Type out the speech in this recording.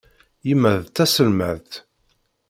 Yemma d taselmadt.